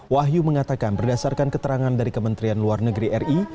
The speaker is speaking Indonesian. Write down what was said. wahyu mengatakan berdasarkan keterangan dari kementerian luar negeri ri